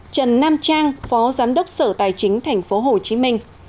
trần nam trang phó giám đốc sở tài chính tp hcm